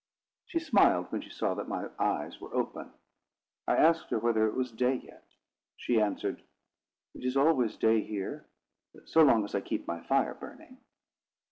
She smiled when she saw that my eyes were open. I asked her whether it was day yet. She answered, "It is always day here, so long as I keep my fire burning."